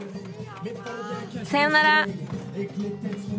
さよなら。